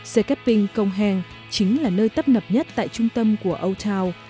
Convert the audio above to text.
sekeping công heng chính là nơi tấp nập nhất tại trung tâm của old town